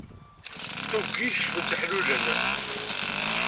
Tuggi kecmen-tt iḥlulen.